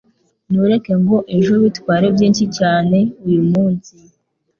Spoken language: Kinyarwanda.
Ntureke ngo ejo bitware byinshi cyane uyumunsi.